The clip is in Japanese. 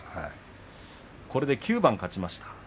これで９番勝ちました。